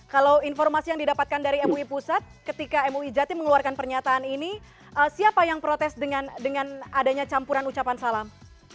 kalau informasi yang didapatkan dari mui pusat ketika mui jatim mengeluarkan pernyataan ini siapa yang protes dengan adanya campuran ucapan salam